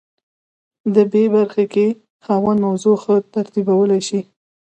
د بي برخې خاوند موضوع ښه ترتیبولی شي.